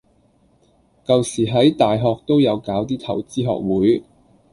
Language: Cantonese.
舊時喺大學都有搞啲投資學會